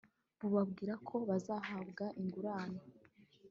bubabwira ko bazahabwa ingurane